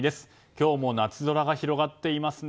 今日も夏空が広がっていますね。